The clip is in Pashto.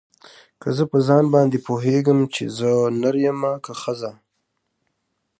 که زه په ځان باندې پوهېږم چې زه نر يمه که ښځه.